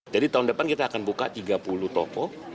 jadi tahun depan kita akan buka tiga puluh topo